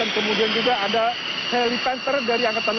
dan kemudian juga ada heli tanker dari angka